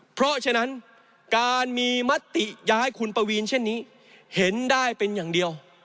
เพราะฉะนั้นการมีมติย้ายคุณปวีนเช่นนี้เห็นได้เป็นอย่างเดียว